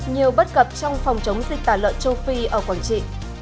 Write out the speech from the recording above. nhiều bất cập trong phòng chống dịch tả lợn châu phi ở quảng trị